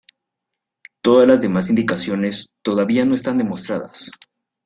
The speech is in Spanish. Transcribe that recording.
Todas las demás indicaciones todavía no están demostradas.